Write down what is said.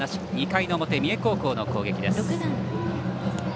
２回の表、三重高校の攻撃です。